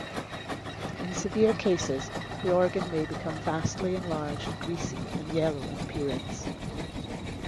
In severe cases, the organ may become vastly enlarged, greasy, and yellow in appearance.